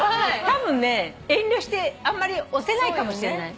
たぶんね遠慮してあんまり押せないかもしれない。